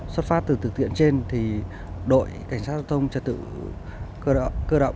xuất phát từ thực tiện trên thì đội cảnh sát giao thông trật tự cơ động